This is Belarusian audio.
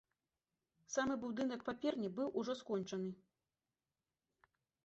Самы будынак паперні быў ужо скончаны.